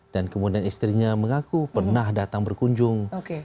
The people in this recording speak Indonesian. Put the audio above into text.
dan kemudian istrinya mengaku pernah datang berkunjung